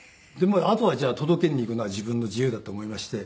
あとはじゃあ届けに行くのは自分の自由だと思いまして。